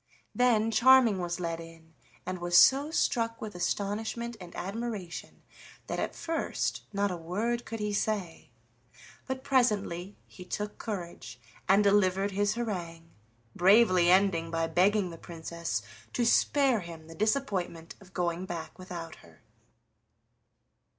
Then Charming was led in, and was so struck with astonishment and admiration that at first not a word could he say. But presently he took courage and delivered his harangue, bravely ending by begging the Princess to spare him the disappointment of going back without her.